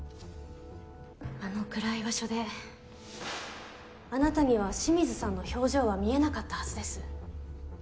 あの暗い場所であなたには清水さんの表情は見えなかったはずです。